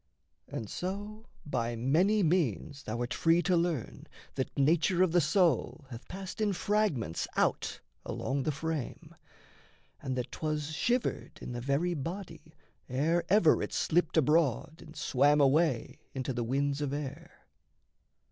And so by many means Thou'rt free to learn that nature of the soul Hath passed in fragments out along the frame, And that 'twas shivered in the very body Ere ever it slipped abroad and swam away Into the winds of air.